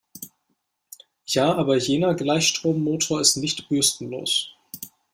Ja, aber jener Gleichstrommotor ist nicht bürstenlos.